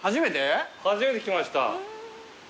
初めて来ました。